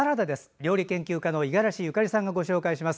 料理研究家の五十嵐ゆかりさんがご紹介します。